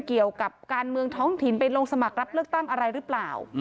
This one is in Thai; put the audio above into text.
เกี่ยวกับการเมืองท้องถิ่นไปลงสมัครรับเลือกตั้งอะไรหรือเปล่า